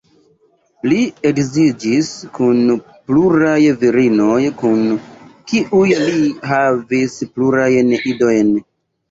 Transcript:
Li edziĝis kun pluraj virinoj kun kiuj li havis plurajn idojn.